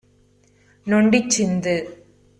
நொண்டிச் சிந்து